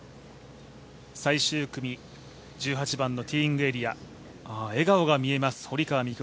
最終組、１８番のティーイングエリア笑顔が見えます、堀川未来